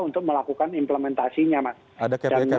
untuk melakukan implementasinya mas